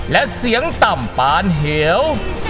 และเสียงต่ำปานเหว